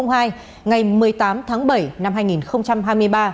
ngày một mươi tám tháng bảy năm hai nghìn hai mươi ba